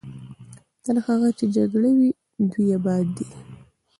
تر هغې چې جګړه وي دوی اباد دي.